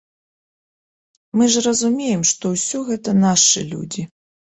Мы ж разумеем, што ўсё гэта нашы людзі.